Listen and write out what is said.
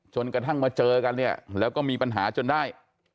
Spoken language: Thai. จนกระทั่งมาเจอกันเนี่ยแล้วก็มีปัญหาจนได้